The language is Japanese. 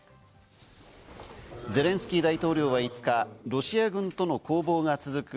ゼレンスキー大統領は５日、ロシア軍との攻防が続く